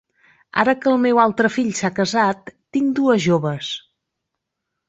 Ara que el meu altre fill s'ha casat, tinc dues joves.